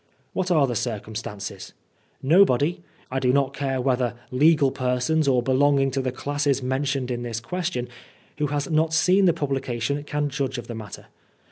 What are the circumstances ? Nobody — ^I do not care whether legal persons or belonging to the classes mentioned in this question — ^who has not seen the publication can judge of the matter.